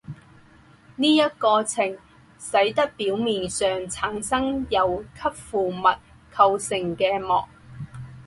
这一过程使得表面上产生由吸附物构成的膜。